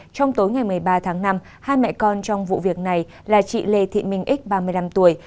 trong tối ngày một mươi ba tháng năm hai mẹ con trong vụ việc này là chị lê thị minh x ba mươi năm tuổi